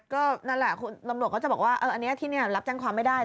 ก็นั่นแหละคุณตำรวจก็จะบอกว่าอันนี้ที่นี่รับแจ้งความไม่ได้